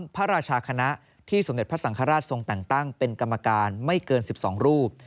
พระราชาคณะที่สมเด็จพระสังฆราชทรงแต่งตั้งเป็นกรรมการไม่เกิน๑๒รูป